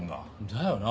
だよな。